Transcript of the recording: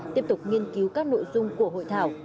tiếp tục nghiên cứu các nội dung của hội thảo